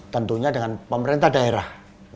tentunya dengan pemerintah daerah